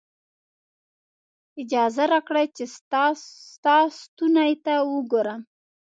اجازه راکړئ چې ستا ستوني ته وګورم.